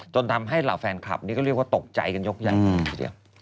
จนทำให้เหล่าแฟนคลับนี่ก็เรียกว่าตกใจกันยกใหญ่เลยทีเดียว